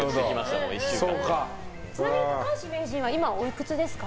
ちなみに高橋名人は今、おいくつですか？